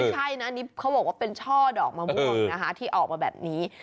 หน้าตาแบบนี้ไม่ใช่นะนี่เขาบอกว่าเป็นช่อดอกมะม่วงที่ออกมาแบบนี้